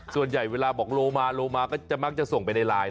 ส่วนใหญ่เวลาบอกโลมาโลมาก็จะมักจะส่งไปในไลน์